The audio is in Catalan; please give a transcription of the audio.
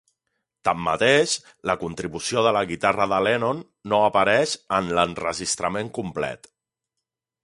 Tanmateix, la contribució de la guitarra de Lennon no apareix en l'enregistrament complet.